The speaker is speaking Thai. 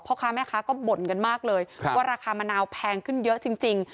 พ่อค้าแม่ค้าก็บ่นกันมากเลยว่าราคามะนาวแพงขึ้นเยอะจริง